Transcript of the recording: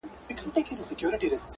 هغه زما خبري پټي ساتي,